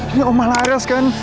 ini omah laras kan